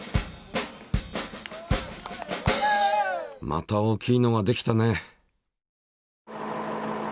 また大きいのができたね！